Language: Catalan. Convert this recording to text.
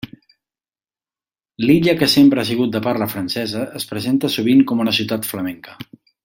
Lilla que sempre ha sigut de parla francesa, es presenta sovint com una ciutat flamenca.